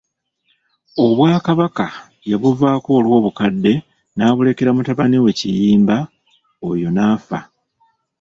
Obwakabaka yabuvaako olw'obukadde n'abulekera mutabani we Kiyimba oyo n'afa.